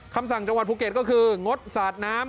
คำสั่งจังหวัดภูเก็ตก็คืองดสาดน้ำ